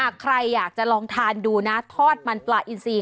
ใครอยากจะลองทานดูนะทอดมันปลาอินซี